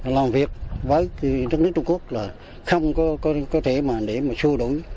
làm việc với nước nước trung quốc là không có thể mà để mà xô đối